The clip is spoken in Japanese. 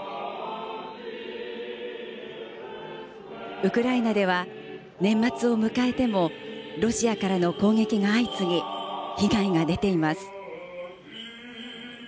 ウクライナでは、年末を迎えてもロシアからの攻撃が相次ぎ被害が出ています。